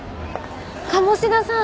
鴨志田さん。